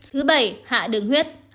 thứ bảy hạ đường huyết